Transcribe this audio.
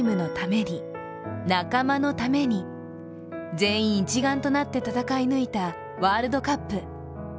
全員一丸となって戦い抜いたワールドカップ。